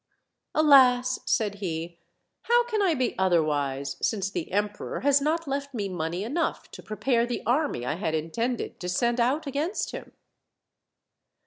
"Alas!" said he, "how can I be otherwise, since the emperor has not left me money enough to prepare the army I had in tended to send out against him?"